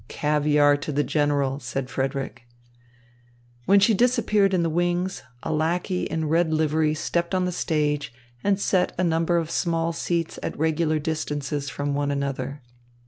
"Caviar to the general," said Frederick. When she disappeared in the wings, a lackey in red livery stepped on the stage and set a number of small seats at regular distances from one another.